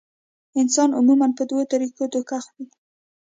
انسان عموماً پۀ دوه طريقو دوکه خوري -